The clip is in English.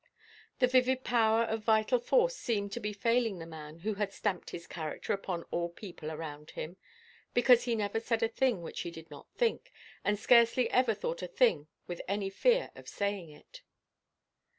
The vivid power of vital force seemed to be failing the man who had stamped his character upon all people around him; because he never said a thing which he did not think, and scarcely ever thought a thing with any fear of saying it.